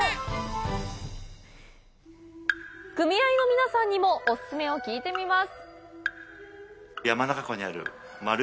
組合の皆さんにもオススメを聞いてみます。